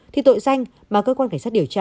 thì tội danh mà cơ quan cảnh sát điều tra